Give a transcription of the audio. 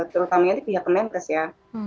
terutama pihak kemenkes ya